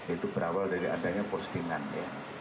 itu berawal dari adanya postingan ya